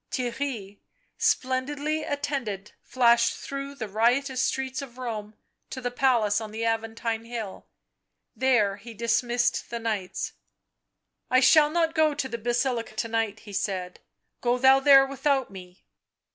Theirry, splendidly attended, flashed through the riotous streets of Rome to the palace on the Aventine Hill. There he dismissed the knights. " I shall not go to the Basilica to night," he said, " go thou there without me."